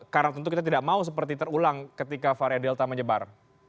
karena tentu kita tidak mau seperti terulang ketika varian delta menyebar